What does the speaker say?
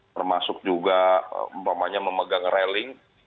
termasuk juga memegang railing